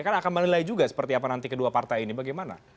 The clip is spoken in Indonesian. karena akan menilai juga seperti apa nanti kedua partai ini bagaimana